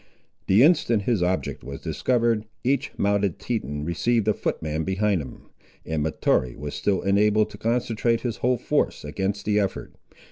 The instant his object was discovered, each mounted Teton received a footman behind him, and Mahtoree was still enabled to concentrate his whole force against the effort.